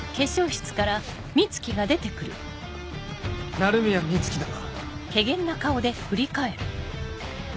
鳴宮美月だな。